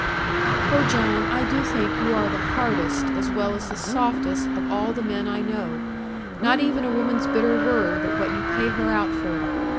'Oh, John, I do think you are the hardest, as well as the softest of all the men I know. Not even a woman's bitter word but what you pay her out for.